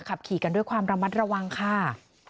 ขับขี่กันด้วยความระมัดระวังค่ะ